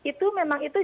itu memang itu